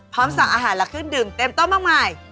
พร้อมสั่งอาหารและคุ้นดื่มเต็มเต้อมาคมมาก